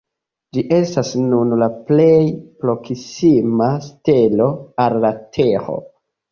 Ĝi estas nun la plej proksima stelo al la Tero.